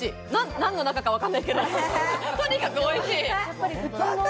何の中かわからないけれど、とにかくおいしい！